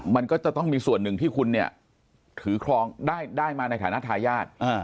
มันก็จะต้องมีส่วนหนึ่งที่คุณเนี่ยถือครองได้มาในฐานะทายาท